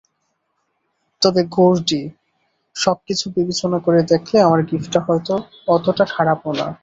তবে গর্ডি, সবকিছু বিবেচনা করে দেখলে, আমার গিফটটা হয়ত অতটা খারাপও না।